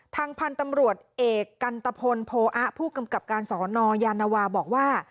ทางพันธุ์ตำรวจเอกกันตะพลโพอะผู้กำกับการสอนอยานวาบอกว่า